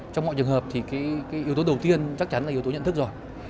trong mọi trường hợp thì yếu tố đầu tiên chắc chắn là yếu tố nhận thức rồi